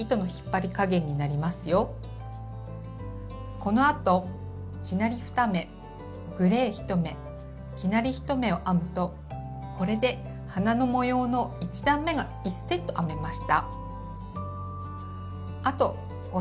このあと生成り２目グレー１目生成り１目を編むとこれで花の模様の１段めが１セット編めました。